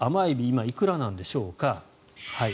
今いくらなんでしょうか。